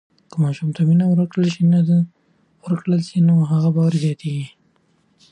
که ماشوم ته مینه ورکړل سي نو هغه باوري لویېږي.